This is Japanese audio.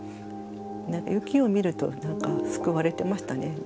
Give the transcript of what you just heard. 雪を見るとなんか救われてましたね。